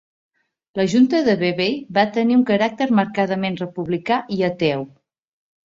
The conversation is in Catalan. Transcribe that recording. La Junta de Vevey va tenir un caràcter marcadament republicà i ateu.